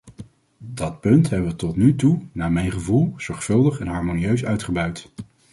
Dat punt hebben wij tot nu toe, naar mijn gevoel, zorgvuldig en harmonieus uitgebuit.